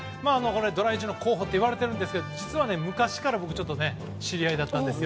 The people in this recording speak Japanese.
ドラ１候補と言われてるんですけど実は昔からちょっと知り合いだったんです。